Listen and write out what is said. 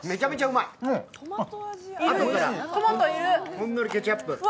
ほんのりケチャップ。